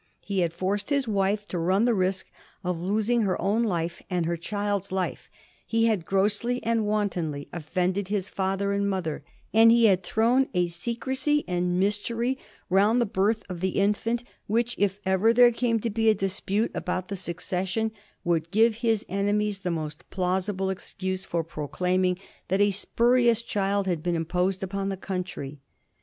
He had forced his wife to run the risk of losing her own life and her child's life, he had grossly and wantonly offended his father and mother, and he had thrown a secrecy and mystery round the birth of the infant which, if ever there came to be a dispute about the succession, would give his enemies the most plausible ex cuse for proclaiming that a spurious child had been imposed upon the country.